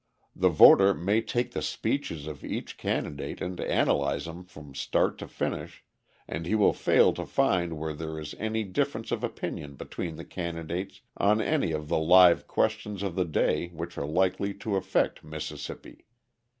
The voter may take the speeches of each candidate and analyse them from start to finish, and he will fail to find where there is any difference of opinion between the candidates on any of the live questions of the day which are likely to affect Mississippi.